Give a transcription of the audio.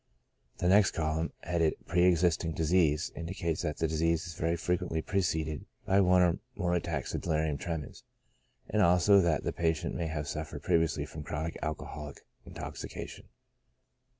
The next column, headed pre existing disease^ indicates that the illness is very frequently preceded by one or more attacks of delirium tremens, and also that the patient may have suffered previously from chronic alcoholic intoxication.